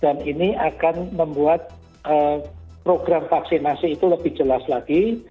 dan ini akan membuat program vaksinasi itu lebih jelas lagi